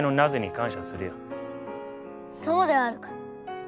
そうであるか。